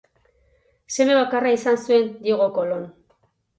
Seme bakarra izan zuen: Diego Kolon.